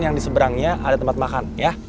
yang di seberangnya ada tempat makan